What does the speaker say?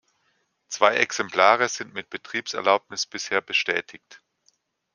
Zwei Exemplare sind mit Betriebserlaubnis bisher bestätigt.